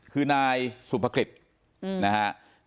คือนายสุภคฤทธิ์นะฮะ